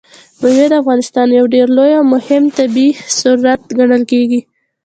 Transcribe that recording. مېوې د افغانستان یو ډېر لوی او مهم طبعي ثروت ګڼل کېږي.